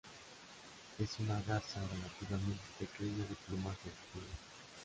Es una garza relativamente pequeña de plumaje oscuro.